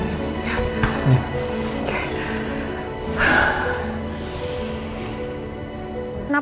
gak tahu deh namanya